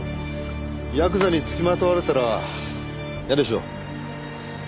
ヤクザにつきまとわれたら嫌でしょう？